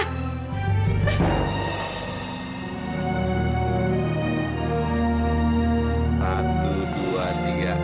satu dua tiga